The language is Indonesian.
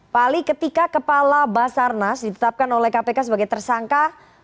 pak ali ketika kepala basarnas ditetapkan oleh kpk sebagai tersangka